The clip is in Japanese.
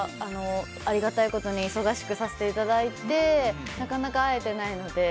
ありがたいことに忙しくさせていただいてなかなか会えていないので。